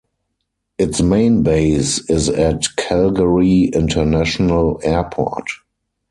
Its main base is at Calgary International Airport.